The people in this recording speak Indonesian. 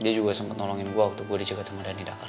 dia juga sempat nolongin gue waktu gue dicegat sama dhani dakar